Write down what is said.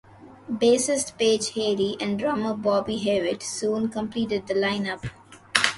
Bassist Paige Haley, and drummer Bobby Hewitt soon completed the line-up.